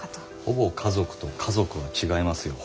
ほぼ家族と家族は違いますよ。